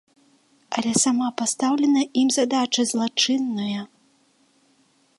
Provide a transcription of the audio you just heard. Але сама пастаўленая ім задача злачынная!